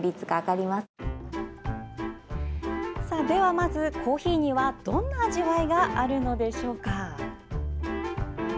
では、まずコーヒーにはどんな味わいがあるのでしょうか。